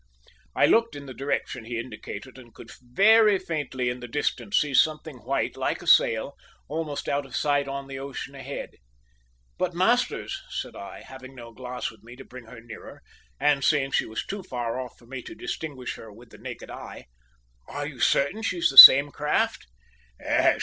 I looked in the direction he indicated, and could very faintly in the distance see something white like a sail, almost out of sight on the ocean ahead. "But, Masters," said I, having no glass with me to bring her nearer, and seeing she was too far off for me to distinguish her with the naked eye, "are you certain she's the same craft?"